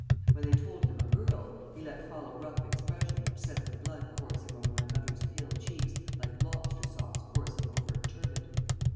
When they told him "a girl," he let fall a rough expression which sent the blood coursing over my mother's pale cheeks like lobster sauce coursing over a turbot.